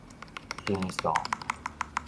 甜素